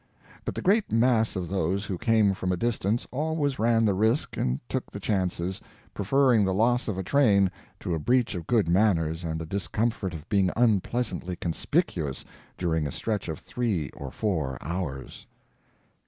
But the great mass of those who came from a distance always ran the risk and took the chances, preferring the loss of a train to a breach of good manners and the discomfort of being unpleasantly conspicuous during a stretch of three or four hours.